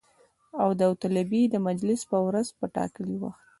او د داوطلبۍ د مجلس په ورځ په ټاکلي وخت